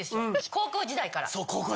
高校時代から。